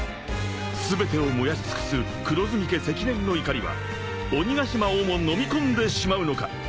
［全てを燃やし尽くす黒炭家積年の怒りは鬼ヶ島をものみ込んでしまうのか！？］